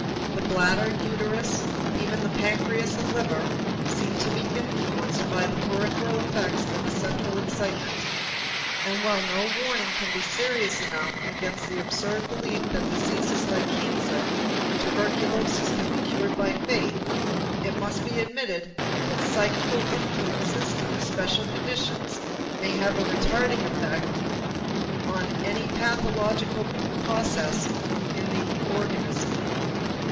The bladder, uterus, even the pancreas and the liver seem to be influenced by the peripheral effects of the central excitement. And while no warning can be serious enough against the absurd belief that diseases like cancer or tuberculosis can be cured by faith, it must be admitted that psychical influences under special conditions may have a retarding influence on any pathological process in the organism.